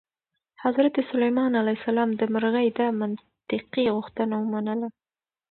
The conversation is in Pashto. حضرت سلیمان علیه السلام د مرغۍ دا منطقي غوښتنه ومنله.